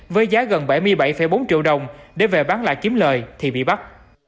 với giá gần bảy mươi bảy bốn triệu đồng để về bán lại kiếm lời thì bị bắt